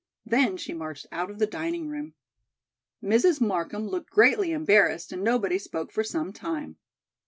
Then she marched out of the dining room. Mrs. Markham looked greatly embarrassed and nobody spoke for some time.